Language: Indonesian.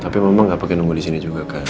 tapi mama gak pake nunggu disini juga kak